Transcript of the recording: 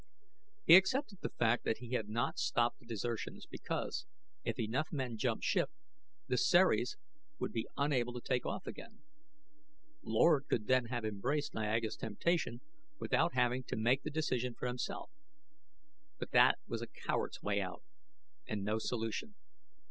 He accepted the fact that he had not stopped the desertions because, if enough men jumped ship, the Ceres would be unable to take off again. Lord could then have embraced Niaga's temptation without having to make the decision for himself. But that was a coward's way out and no solution.